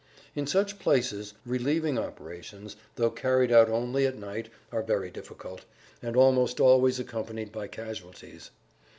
In such places, relieving operations, though carried out only at night are very difficult and almost always accompanied by casualties.